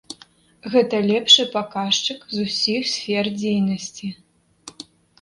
Гэта лепшы паказчык з усіх сфер дзейнасці.